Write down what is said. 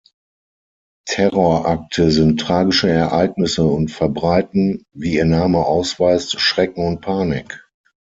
Terrorakte sind tragische Ereignisse und verbreiten, wie ihr Name ausweist, Schrecken und Panik.